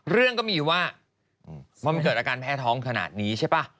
เรื่องก็มีว่ามันเกิดอาการแพ้ท้องขนาดนี้ใช่ป่ะ